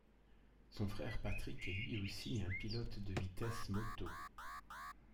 Son frère Patrick est lui aussi un pilote de vitesse moto.